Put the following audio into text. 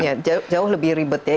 ya jauh lebih ribet ya